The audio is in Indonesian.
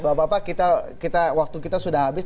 bapak bapak waktu kita sudah habis